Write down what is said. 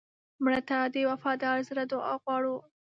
مړه ته د وفادار زړه دعا غواړو